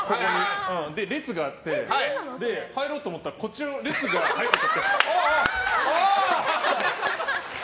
列があって、入ろうと思ったらこっちの列が行っちゃってああって。